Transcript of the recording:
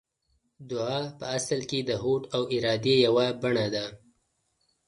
دعا په اصل کې د هوډ او ارادې يوه بڼه ده.